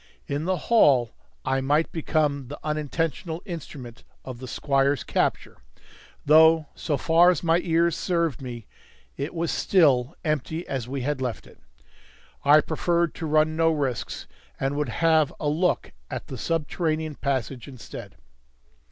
In the hall I might become the unintentional instrument of the squire's capture, though, so far as my ears served me, it was still empty as we had left it. I preferred to run no risks, and would have a look at the subterranean passage instead.